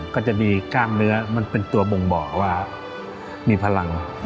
ก็จะมีกล้ามเนื้อมันเป็นตัวบ่งบอกว่ามีพลัง